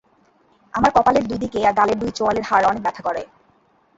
আমার কপালের দুইদিকে আর গালের দুই চোয়ালের হাড় অনেক ব্যথা করে।